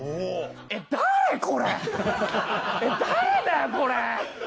えっ誰だよこれ。